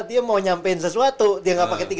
dia mau nyampein sesuatu dia nggak pakai